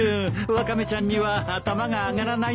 ワカメちゃんには頭が上がらないね。